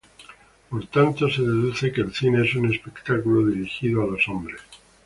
Por tanto, se deduce, que el cine es un espectáculo dirigido a los hombres.